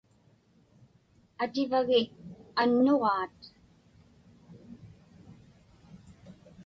Ativagi annuġaat?